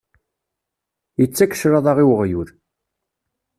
Yettak cclaḍa i uɣyul.